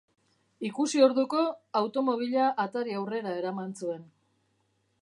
Ikusi orduko automobila atari-aurrera eraman zuen.